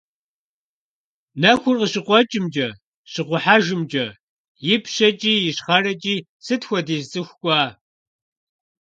Нэхур къыщыкъуэкӀымкӀэ, щыкъухьэжымкӀэ, ипщэкӀи, ищхъэрэкӀи сыт хуэдиз цӀыху кӀуа!